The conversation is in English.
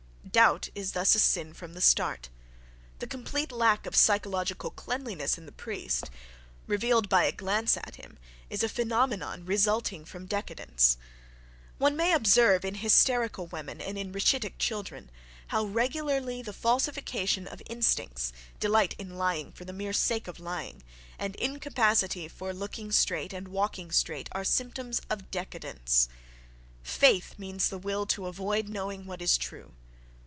Doubt is thus a sin from the start.... The complete lack of psychological cleanliness in the priest—revealed by a glance at him—is a phenomenon resulting from décadence,—one may observe in hysterical women and in rachitic children how regularly the falsification of instincts, delight in lying for the mere sake of lying, and incapacity for looking straight and walking straight are symptoms of décadence. "Faith" means the will to avoid knowing what is true.